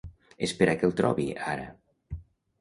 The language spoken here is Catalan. Espera que el trobi, ara.